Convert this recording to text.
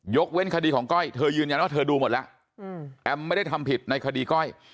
เว้นคดีของก้อยเธอยืนยันว่าเธอดูหมดแล้วแอมไม่ได้ทำผิดในคดีก้อย